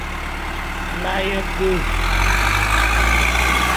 M'aye ke.